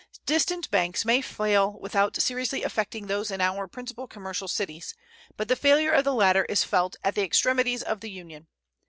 Distant banks may fail without seriously affecting those in our principal commercial cities, but the failure of the latter is felt at the extremities of the Union.